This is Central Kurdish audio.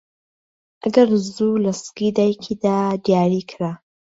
ئەگەر زوو لەسکی دایکدا دیاریکرا